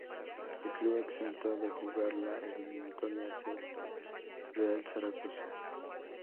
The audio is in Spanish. El club exento de jugar la eliminatoria es el Real Zaragoza.